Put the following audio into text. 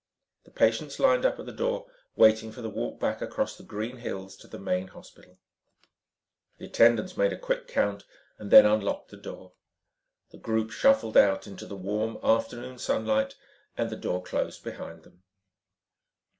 The patients lined up at the door, waiting for the walk back across the green hills to the main hospital. The attendants made a quick count and then unlocked the door. The group shuffled out into the warm, afternoon sunlight and the door closed behind them.